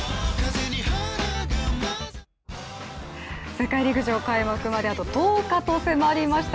世界陸上開幕まであと１０日と迫りました。